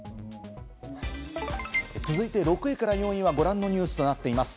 続いて６位から４位はご覧のニュースとなっています。